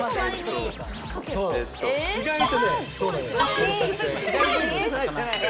意外とね。